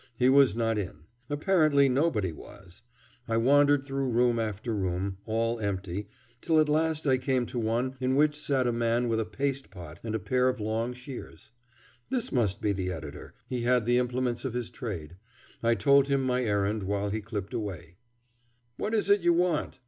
He was not in. Apparently nobody was. I wandered through room after room, all empty, till at last I came to one in which sat a man with a paste pot and a pair of long shears. This must be the editor; he had the implements of his trade. I told him my errand while he clipped away. [Figure: When I worked in the Buffalo Ship yard. ] "What is it you want?"